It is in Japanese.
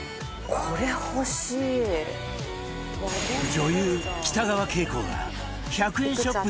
女優北川景子が１００円ショップ